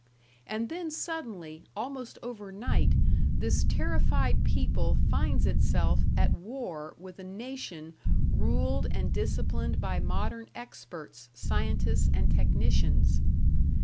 And then suddenly, almost overnight, this terrified people finds itself at war with a nation ruled and disciplined' by modern experts, scientists and technicians.